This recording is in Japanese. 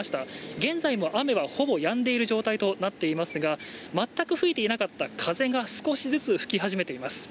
現在も雨はほぼやんでいる状態となっていますが、全く吹いていなかった風が少しずつ吹き始めています。